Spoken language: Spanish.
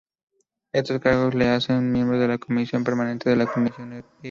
Estos cargos le hacen miembro de la Comisión Permanente de la Comisión Episcopal.